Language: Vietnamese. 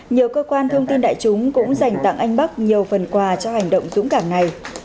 nhiều cơ quan thông tin đại chúng cũng dành tặng anh bắc nhiều phần quà cho hành động dũng cảm này